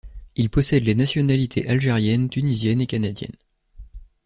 Il possède les nationalités algérienne, tunisienne et canadienne.